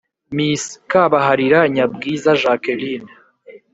Mrs kabaharira nyabwiza jacqueline